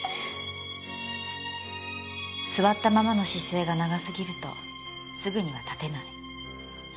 座ったままの姿勢が長すぎるとすぐには立てない。